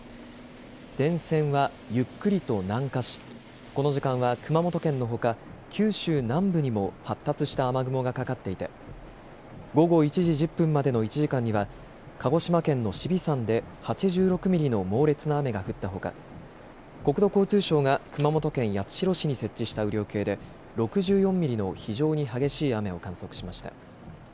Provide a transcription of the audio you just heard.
前線はゆっくりと南下しこの時間は熊本県のほか九州南部にも発達した雨雲がかかっていて午後１時１０分までの１時間には鹿児島県の紫尾山で８６ミリの猛烈な雨が降ったほか国土交通省が熊本県八代市に設置した雨量計で６４ミリの非常に激しい雨を観測しました。